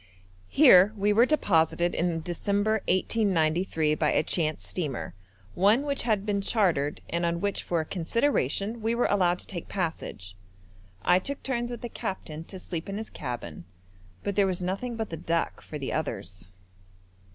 Here we were deposited in December 1893 by a chance steamer, one which had been chartered and on which for a consideration we were allowed to take passage. I took turns with the captain to sleep in his cabin, but there was nothing but the deck for the others.